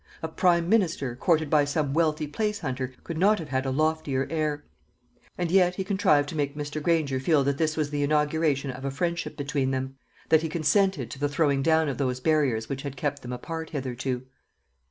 A prime minister, courted by some wealthy place hunter, could not have had a loftier air; and yet he contrived to make Mr. Granger feel that this was the inauguration of a friendship between them; that he consented to the throwing down of those barriers which had kept them apart hitherto.